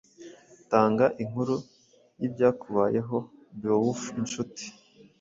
Tanga inkuru yibyakubayehoBeowulf nshuti